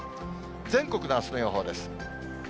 全国のあすの予報です。